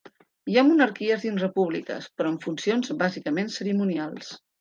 I hi ha monarquies dins repúbliques, però amb funcions bàsicament cerimonials.